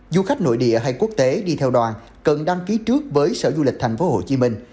du khách nội địa hay quốc tế đi theo đoàn cần đăng ký trước với sở du lịch thành phố hồ chí minh